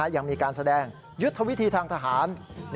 ยังมีการแสดงยุทธวิธีทางทหาร